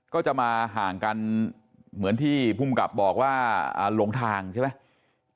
ก็จะมาห่างกันเหมือนที่ภูมิกับบอกว่าหลงทางใช่ไหม